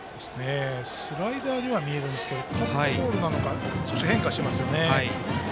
スライダーにも見えるんですけどカットボールなのか少し変化してますよね。